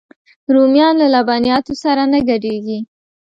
رومیان له لبنیاتو سره نه ګډېږي